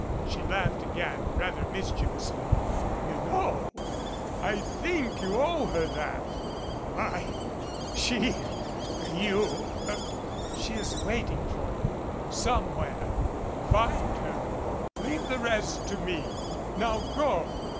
She laughed again, rather mischievously. "You know, I think you owe her that!" "I She you " 318 THE SEATS OF THE MIGHTY "She is waiting for you somewhere. Find her: Leave the rest to me. Now go."